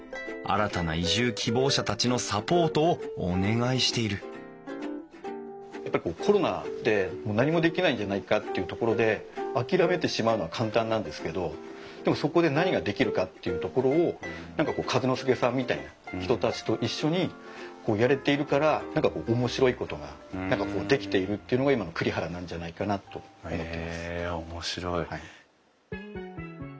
新たな移住希望者たちのサポートをお願いしているやっぱりコロナで何もできないんじゃないかっていうところで諦めてしまうのは簡単なんですけどでもそこで何ができるかっていうところを何か風ノ介さんみたいな人たちと一緒にこうやれているから何か面白いことができているというのが今の栗原なんじゃないかなと思ってます。